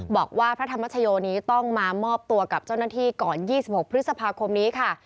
บอกว่าพระธรรมชโยนี้ต้องมามอบตัวกับเจ้าหน้าที่ก่อน๒๖พฤษภาคมนี้ค่ะ